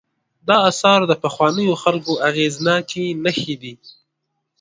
دا آثار د پخوانیو خلکو اغېزناکې نښې دي.